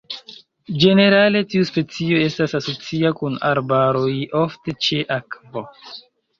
Ĝenerale tiu specio estas asocia kun arbaroj, ofte ĉe akvo.